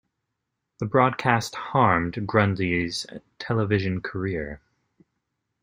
The broadcast harmed Grundy's television career.